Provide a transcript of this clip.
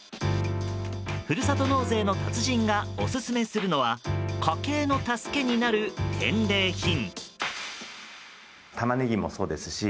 ふるさと納税の達人がオススメするのは家計の助けになる返礼品。